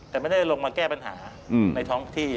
แต่ไม่ได้ลงมาแก้ปัญหาในท้องที่